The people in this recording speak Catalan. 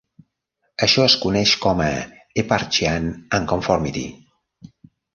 Això es coneix com a "Eparchaean Unconformity".